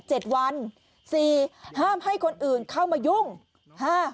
เจ็ดวันสี่ห้ามให้คนอื่นเข้ามายุ่งห้า